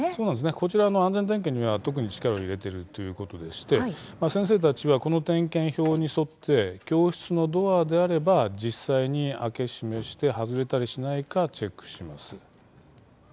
こちら安全点検には特に力を入れているということでして先生たちはこの点検表に沿って教室のドアであれば実際に開け閉めして外れたりしないかチェックします。